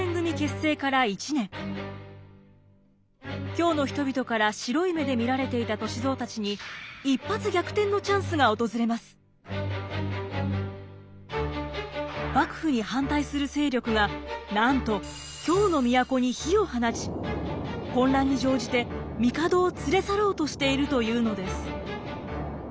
京の人々から白い目で見られていた歳三たちに幕府に反対する勢力がなんと京の都に火を放ち混乱に乗じて帝を連れ去ろうとしているというのです。